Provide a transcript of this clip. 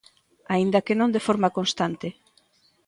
Aínda que non de forma constante.